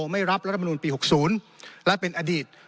ไม่รับรัฐมนุนปี๖๐และเป็นอดีต